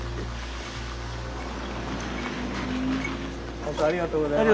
本当ありがとうございました。